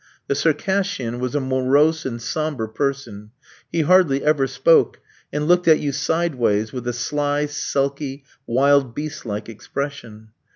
The Circassian was a morose and sombre person. He scarcely ever spoke, and looked at you sideways with a sly, sulky, wild beast like expression.